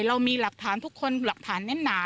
เรามีหลักฐานทุกคนหลักฐานแน่นหนา